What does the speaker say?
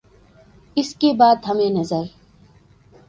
اس کے بعد ہمیں نظر